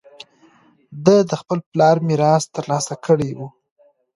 ده د خپل پلار میراث ترلاسه کړی و